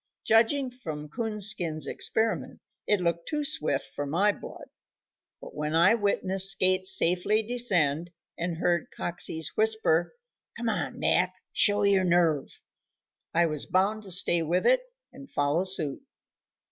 Judging from Coonskin's experiment, it looked too swift for my blood. But when I witnessed Skates safely descend and heard Coxey's whisper, "Come on, Mac, show your nerve," I was bound to stay with it and follow suit.